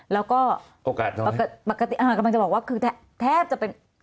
แล้วก็ปกติอ๋อกะแม่งจะบอกว่าแทบจะเป็น